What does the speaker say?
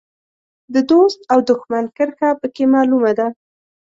د دوست او دوښمن کرښه په کې معلومه ده.